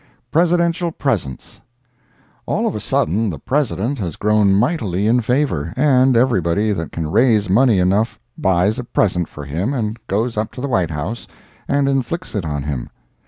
Presidential Presents. All of a sudden the President has grown mightily in favor, and everybody that can raise money enough buys a present for him and goes up to the White House and inflicts it on him.